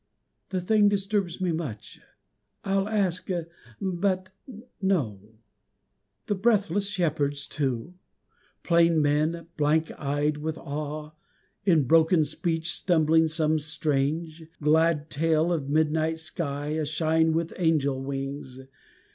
The thing disturbs me much! I'll ask but no ..... The breathless shepherds, too; Plain men, blank eyed with awe, in broken speech Stumbling some strange, glad tale of midnight sky A shine with angel wings!